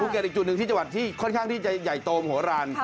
เกิดอีกจุดหนึ่งที่จังหวัดที่ค่อนข้างที่จะใหญ่โตมโหลาน